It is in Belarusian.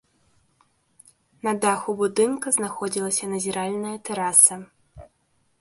На даху будынка знаходзілася назіральная тэраса.